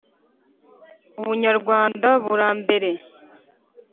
ubunyarwanda burambera